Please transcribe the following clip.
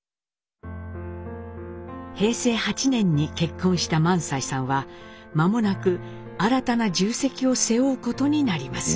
平成８年に結婚した萬斎さんはまもなく新たな重責を背負うことになります。